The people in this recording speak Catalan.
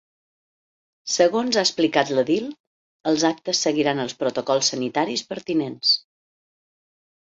Segons ha explicat l’edil, “els actes seguiran els protocols sanitaris pertinents”.